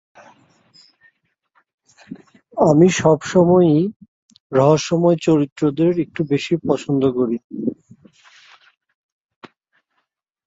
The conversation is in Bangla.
আমি সবসময়েই রহস্যময় চরিত্রদের একটু বেশিই পছন্দ করি।